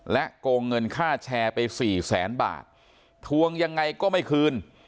โกงเงินค่าแชร์ไปสี่แสนบาททวงยังไงก็ไม่คืน